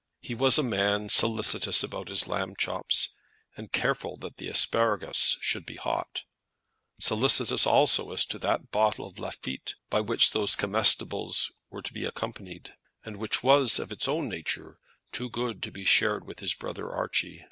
He was a man solicitous about his lamb chops, and careful that the asparagus should be hot; solicitous also as to that bottle of Lafitte by which those comestibles were to be accompanied and which was, of its own nature, too good to be shared with his brother Archie.